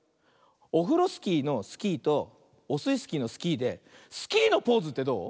オフロスキーの「スキー」とオスイスキーの「スキー」でスキーのポーズってどう？